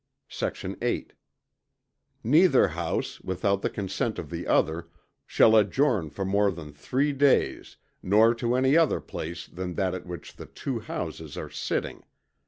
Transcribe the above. Sect. 8. Neither House, without the consent of the other, shall adjourn for more than three days nor to any other place than that at which the two Houses are sitting.